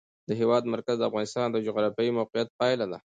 د هېواد مرکز د افغانستان د جغرافیایي موقیعت پایله ده.